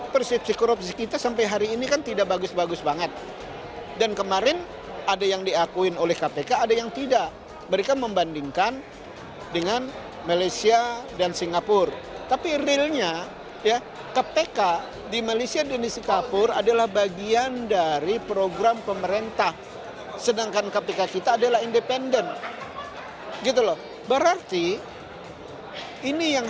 pertanyaannya apa yang dikerjakan ketika hari ini sudah sesuai enggak dengan target awal lima belas tahun yang lalu kan belum